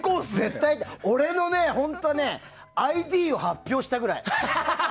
俺のＩＤを発表したいぐらい。